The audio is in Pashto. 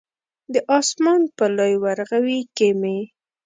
د اسمان په لوی ورغوي کې مې